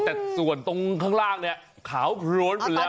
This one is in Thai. แต่ส่วนตรงข้างล่างเนี่ยขาวโพลนหมดแล้ว